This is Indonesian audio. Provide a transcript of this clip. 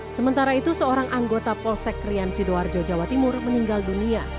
sementara itu seorang anggota polsek rian sidoarjo jawa timur meninggal dunia